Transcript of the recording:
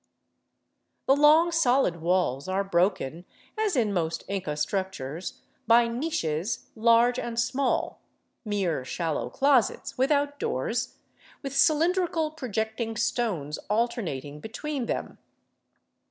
The long, solid walls are broken, as in most Inca structures, by niches large and small, mere shallow closets without doors, with cylin drical projecting stones alternating between them.